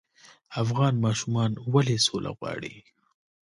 افغان ماشومان ولې سوله غواړي؟